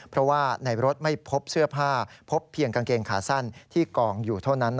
เพราะว่าในรถไม่พบเสื้อผ้าพบเพียงกางเกงขาสั้นที่กองอยู่เท่านั้น